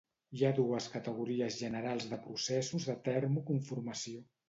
Hi ha dues categories generals de processos de termocomformació.